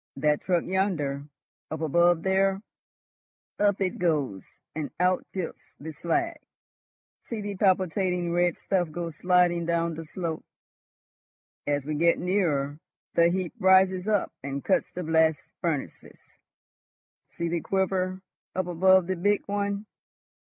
That truck yonder, up above there! Up it goes, and out tilts the slag. See the palpitating red stuff go sliding down the slope. As we get nearer, the heap rises up and cuts the blast furnaces. See the quiver up above the big one.